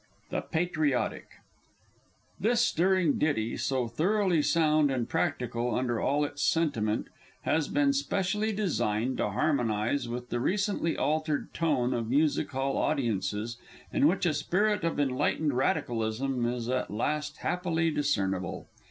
THE PATRIOTIC This stirring ditty so thoroughly sound and practical under all its sentiment has been specially designed to harmonise with the recently altered tone of Music hall audiences, in which a spirit of enlightened Radicalism is at last happily discernible.